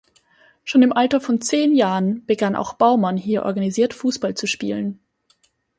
Schon im Alter von zehn Jahren begann auch Baumann hier organisiert Fußball zu spielen.